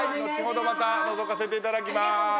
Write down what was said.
後ほどまたのぞかせていただきます。